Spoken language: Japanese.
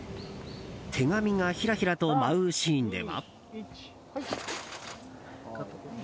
手紙がひらひらと舞うシーンでは。